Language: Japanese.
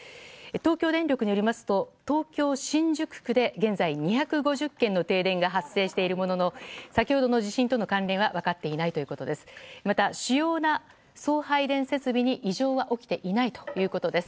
東京電力によりますと東京・新宿区で現在、２５０軒の停電が発生しているものの先ほどの地震との関連は分かっていないということです。